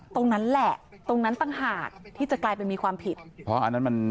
ตรงนั้นแหละตรงนั้นต่างหากที่จะกลายเป็นมีความผิดเพราะอันนั้นมัน